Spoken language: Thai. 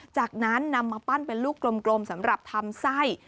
จากนั้นนำมาปั้นเป็นลูกกลมสำหรับทำไส้